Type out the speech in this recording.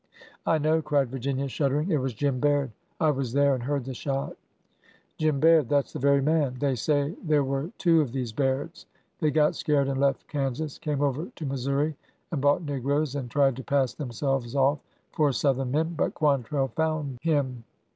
I know," cried Virginia, shuddering. It was Jim Baird. I was there and heard the shot." '' Jim Baird— that 's the very man. They say there were two of these Bairds. They got scared and left Kan sas— came over to Missouri and bought negroes, and tried to pass themselves off for Southern men. But Quantrell found him